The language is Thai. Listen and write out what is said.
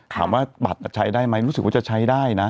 บัตรใช้ได้ไหมรู้สึกว่าจะใช้ได้นะ